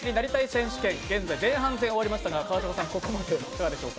選手権現在前半戦終わりましたがここまでいかがでしたか？